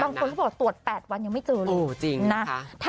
บางคนตรวจตรวจ๘วันยังไม่เจอหรอก